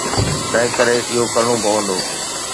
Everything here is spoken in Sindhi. تنهنڪري اهو ڪرڻو پوندو.